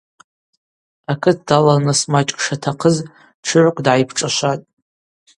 Акыт далалныс мачӏкӏ шатахъыз тшыгӏвкӏ дгӏайпшӏашватӏ.